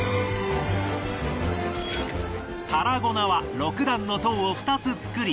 タラゴナは６段の塔を２つ作り